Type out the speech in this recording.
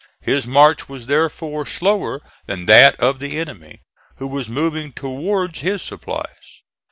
His march was therefore slower than that of the enemy, who was moving towards his supplies.